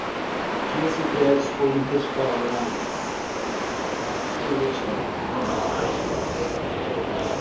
Quinze prédios foram restauradas no último ano